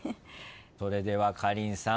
それではかりんさん